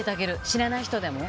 知らない人でも。